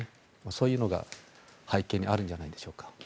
そういうのが背景にあるんじゃないでしょうか。